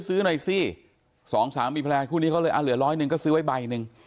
ซื้อหน่อยสิสองสามีภรรยาคู่นี้เขาเลยอ่ะเหลือร้อยหนึ่งก็ซื้อไว้ใบหนึ่ง